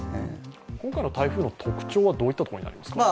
今回の台風の特徴はどういうところにありますか？